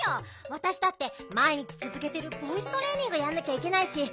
わたしだってまい日つづけてるボイストレーニングやんなきゃいけないし。